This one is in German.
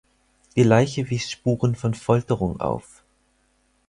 Die Leiche wies Spuren von Folterung auf.